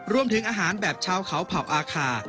รวมถึงอาหารแบบชาวเขาเผับอาคา